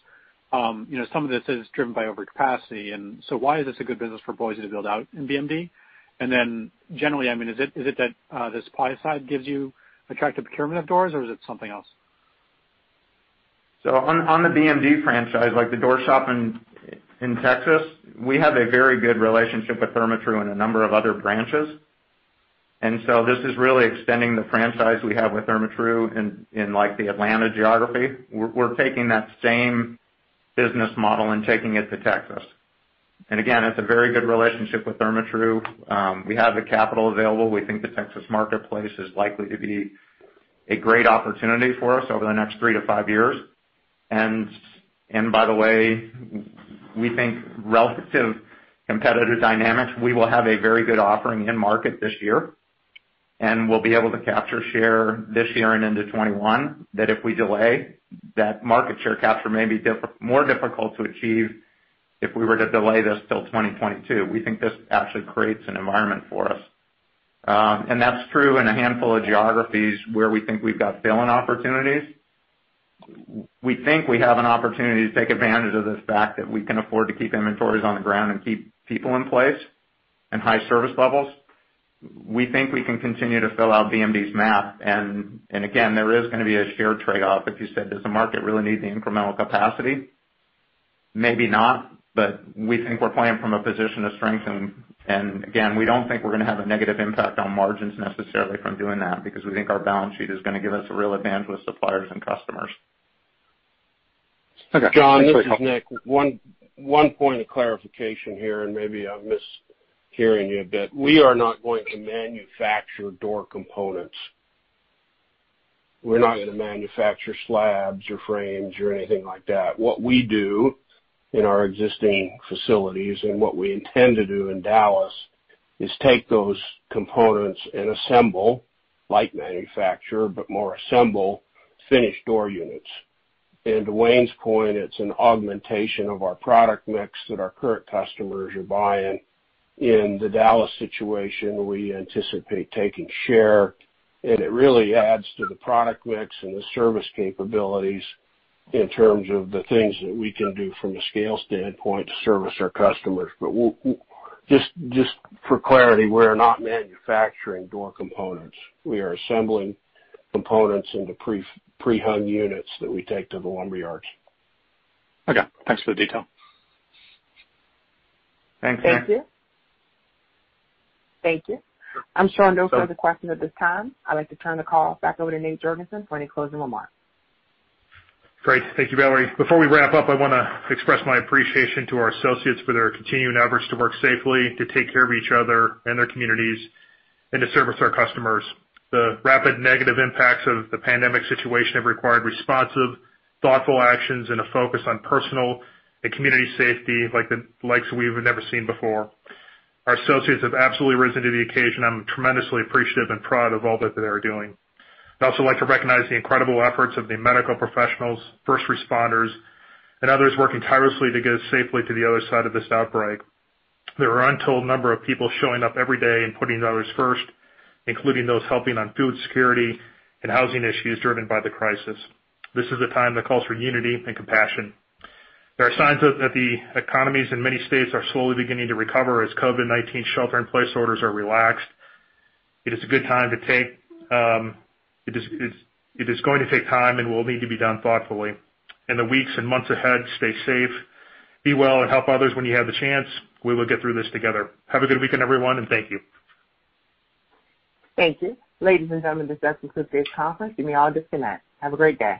Some of this is driven by overcapacity. Why is this a good business for Boise to build out in BMD? Generally, is it that the supply side gives you attractive procurement of doors or is it something else? On the BMD franchise, like the door shop in Texas, we have a very good relationship with Therma-Tru and a number of other branches. This is really extending the franchise we have with Therma-Tru in the Atlanta geography. We're taking that same business model and taking it to Texas. Again, it's a very good relationship with Therma-Tru. We have the capital available. We think the Texas marketplace is likely to be a great opportunity for us over the next three to five years. By the way, we think relative competitive dynamics, we will have a very good offering in market this year, and we'll be able to capture share this year and into 2021, that if we delay, that market share capture may be more difficult to achieve if we were to delay this till 2022. We think this actually creates an environment for us. That's true in a handful of geographies where we think we've got fill-in opportunities. We think we have an opportunity to take advantage of this fact that we can afford to keep inventories on the ground and keep people in place and high service levels. We think we can continue to fill out BMD's map. Again, there is going to be a shared trade-off if you said, does the market really need the incremental capacity? Maybe not, but we think we're playing from a position of strength. Again, we don't think we're going to have a negative impact on margins necessarily from doing that because we think our balance sheet is going to give us a real advantage with suppliers and customers. Okay. John, this is Nick. One point of clarification here, and maybe I'm mishearing you a bit. We are not going to manufacture door components. We're not going to manufacture slabs or frames or anything like that. What we do in our existing facilities and what we intend to do in Dallas is take those components and assemble, like manufacture, but more assemble finished door units. To Wayne's point, it's an augmentation of our product mix that our current customers are buying. In the Dallas situation, we anticipate taking share, and it really adds to the product mix and the service capabilities in terms of the things that we can do from a scale standpoint to service our customers. Just for clarity, we're not manufacturing door components. We are assembling components into pre-hung units that we take to the lumberyards. Okay. Thanks for the detail. Thanks, Nick. Thank you. I'm showing no further questions at this time. I'd like to turn the call back over to Nate Jorgensen for any closing remarks. Great. Thank you, Valerie. Before we wrap up, I want to express my appreciation to our associates for their continuing efforts to work safely, to take care of each other and their communities, and to service our customers. The rapid negative impacts of the pandemic situation have required responsive, thoughtful actions and a focus on personal and community safety like we've never seen before. Our associates have absolutely risen to the occasion. I'm tremendously appreciative and proud of all that they are doing. I'd also like to recognize the incredible efforts of the medical professionals, first responders, and others working tirelessly to get us safely to the other side of this outbreak. There are untold number of people showing up every day and putting others first, including those helping on food security and housing issues driven by the crisis. This is a time that calls for unity and compassion. There are signs that the economies in many states are slowly beginning to recover as COVID-19 shelter-in-place orders are relaxed. It is going to take time and will need to be done thoughtfully. In the weeks and months ahead, stay safe, be well, and help others when you have the chance. We will get through this together. Have a good weekend, everyone, and thank you. Thank you. Ladies and gentlemen, this does conclude today's conference. You may all disconnect. Have a great day.